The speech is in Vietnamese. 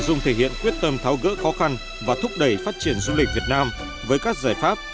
nội dung thể hiện quyết tâm tháo gỡ khó khăn và thúc đẩy phát triển du lịch việt nam với các giải pháp